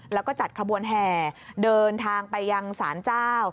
แล้วก็จัดขบวนแห่เดินทางไปยังศาลเจ้า